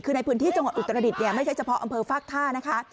คือในพื้นที่จังหวัดอุตรดิษฐ์ไม่ใช่เฉพาะอำเภอฟากท่านะคะ